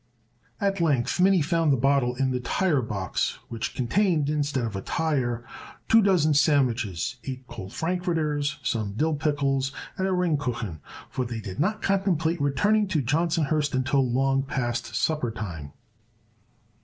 At length Minnie found the bottle in the tire box, which contained, instead of a tire, two dozen sandwiches, eight cold frankfurters, some dill pickles and a ringkuchen, for they did not contemplate returning to Johnsonhurst until long past supper time.